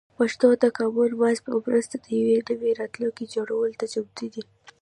پښتو د کامن وایس په مرسته د یو نوي راتلونکي جوړولو ته چمتو ده.